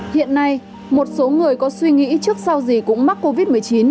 hiện nay một số người có suy nghĩ trước sau gì cũng mắc covid một mươi chín